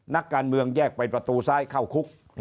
นักการเมืองแยกไปประตูซ้ายเข้าคุก